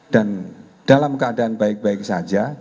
dan dalam keadaan baik baik saja